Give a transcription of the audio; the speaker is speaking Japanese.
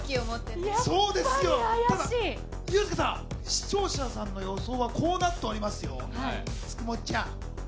ただ、ユースケさん、視聴者様の予想は、こうなっておりますよ。